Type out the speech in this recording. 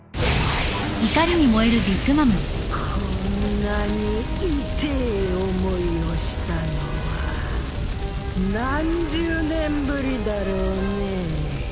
こんなに痛え思いをしたのは何十年ぶりだろうねぇ。